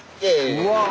うわ！